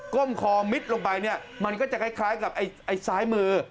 ้มคอมิดลงไปเนี่ยมันก็จะคล้ายกับไอ้ซ้ายมือ